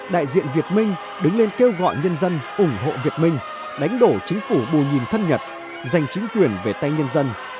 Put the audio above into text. đại diện việt minh đứng lên kêu gọi nhân dân ủng hộ việt minh đánh đổ chính phủ bù nhìn thân nhật dành chính quyền về tay nhân dân